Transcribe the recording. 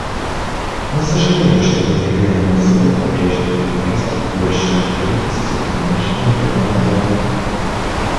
Мы сожалеем, что выдвигаемые условия по-прежнему препятствуют большей открытости и налаживанию прямого диалога.